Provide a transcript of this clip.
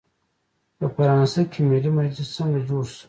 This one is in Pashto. په فرانسه کې ملي مجلس څنګه جوړ شو؟